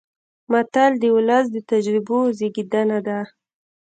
متل د ولس د تجربو زېږنده ده